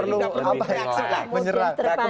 reaksonernya mungkin terpanjang